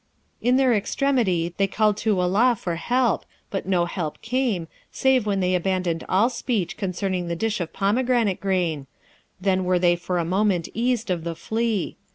In their extremity, they called to Allah for help, but no help came, save when they abandoned all speech concerning the dish of pomegranate grain, then were they for a moment eased of the flea.